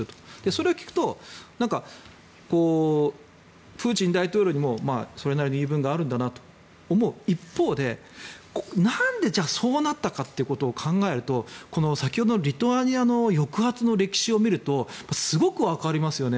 それを聞くとプーチン大統領にもそれなりに言い分があるんだなと思う一方でなんでそうなったかということを考えると先ほどのリトアニアの抑圧の歴史を見るとすごくわかりますよね。